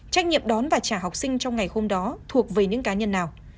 trách nhiệm đón và trả học sinh trong ngày hôm đó thuộc về những cá nhân nào